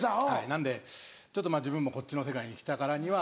なんで自分もこっちの世界にきたからには。